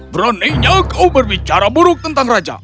beraninya kau berbicara buruk tentang raja